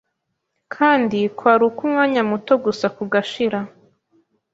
kandi kwari ukw’umwanya muto gusa kugashira)